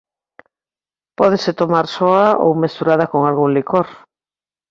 Pódese tomar soa ou mesturada con algún licor.